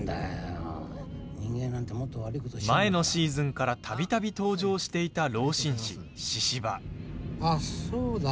前のシーズンからたびたび登場していた老紳士あっ、そうだ。